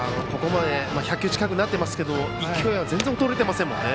１００球近くになっていますけど勢いは全然衰えていませんね。